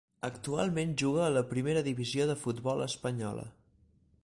Actualment juga a la Primera Divisió de futbol espanyola.